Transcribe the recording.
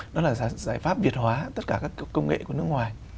đó là giải pháp việt hóa tất cả các công nghệ của nước ngoài